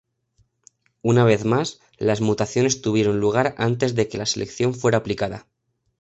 Una vez más, las mutaciones tuvieron lugar antes de que la selección fuera aplicada.